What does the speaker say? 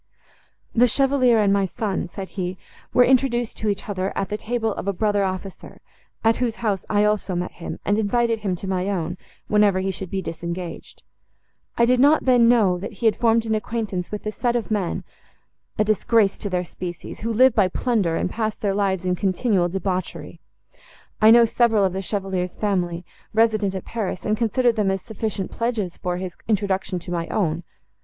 "The Chevalier and my son," said he, "were introduced to each other, at the table of a brother officer, at whose house I also met him, and invited him to my own, whenever he should be disengaged. I did not then know, that he had formed an acquaintance with a set of men, a disgrace to their species, who live by plunder and pass their lives in continual debauchery. I knew several of the Chevalier's family, resident at Paris, and considered them as sufficient pledges for his introduction to my own.